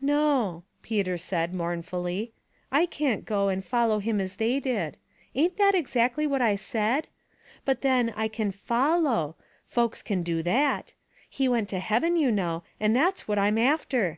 "No," Peter said, mournfully; ''I can't go and follow him as they did. Ain't that exactly what I said? But, then, I c^n follow ; folks can do that. He went to heaven, you know, and that's what I'm after.